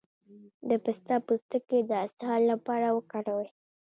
د پسته پوستکی د اسهال لپاره وکاروئ